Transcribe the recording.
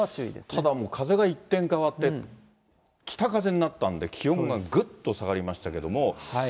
ただ、もう、風が一転、変わって、北風になったんで、気温がぐっと下がりましたけれども。